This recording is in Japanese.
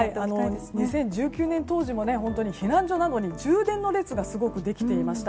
２０１９年当時も避難所などに充電の列がすごくできていました。